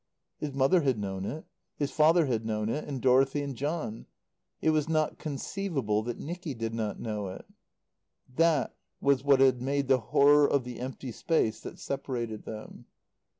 His mother had known it; his father had known it; and Dorothy and John. It was not conceivable that Nicky did not know it. That was what had made the horror of the empty space that separated them.